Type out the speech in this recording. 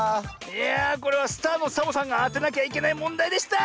いやあこれはスターのサボさんがあてなきゃいけないもんだいでした。